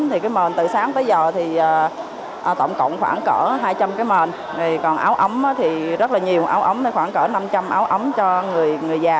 thì cái mền từ sáng tới giờ thì tổng cộng khoảng cỡ hai trăm linh cái mền còn áo ấm thì rất là nhiều khoảng cỡ năm trăm linh áo ấm cho người già